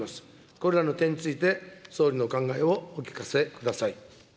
これらの点について、総理のお考えをお聞かせください。